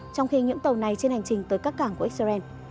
trong khi những tàu này trên hành trình tới các cảng của israel